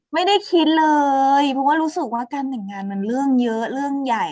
ไม่ได้คิดเลยเพราะว่ารู้สึกว่าการแต่งงานมันเรื่องเยอะเรื่องใหญ่